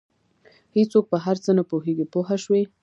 هېڅوک په هر څه نه پوهېږي پوه شوې!.